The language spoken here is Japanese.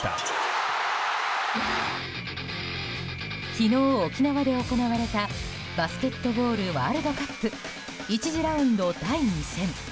昨日、沖縄で行われたバスケットボールワールドカップ１次ラウンド第２戦。